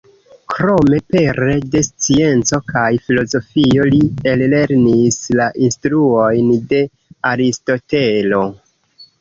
Krome, pere de scienco kaj filozofio li ellernis la instruojn de Aristotelo.